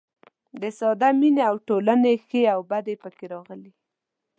د ساده مینې او ټولنې ښې او بدې پکې راغلي.